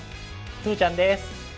鶴ちゃんです！